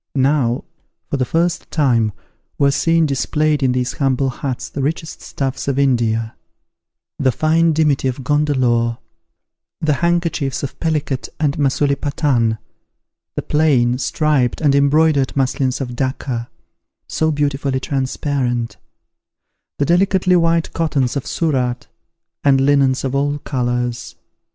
Now, for the first time, were seen displayed in these humble huts the richest stuffs of India; the fine dimity of Gondelore; the handkerchiefs of Pellicate and Masulipatan; the plain, striped, and embroidered muslins of Dacca, so beautifully transparent: the delicately white cottons of Surat, and linens of all colours.